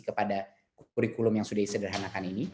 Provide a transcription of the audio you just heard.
kepada kurikulum yang sudah disederhanakan ini